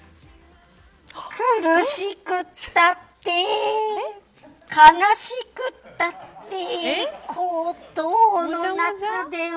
苦しくたって悲しくったってコートの中では。